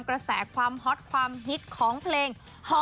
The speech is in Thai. กระแสความฮอตความฮิตของเพลง